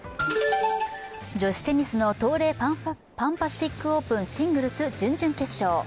女子テニスの東レパンパシフィックオープンシングルス準々決勝。